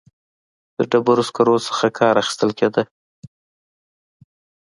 د ډبرو سکرو څخه کار اخیستل کېده.